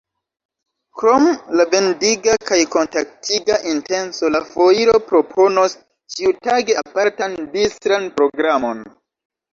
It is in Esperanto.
Krom la vendiga kaj kontaktiga intenco, la foiro proponos ĉiutage apartan distran programon.